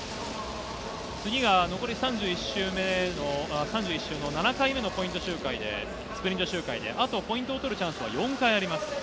次が残り３１周の７回目のスプリント周回で、あとポイントを取るチャンスは４回あります。